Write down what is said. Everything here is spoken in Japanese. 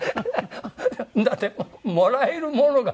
だってもらえるものがない。